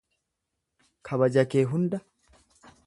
Kabaja kee hunda